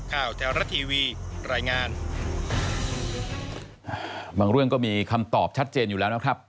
บางเรื่องก็มีคำตอบชัดเจนอยู่แล้วนะครับ